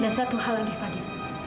dan satu hal lagi fadil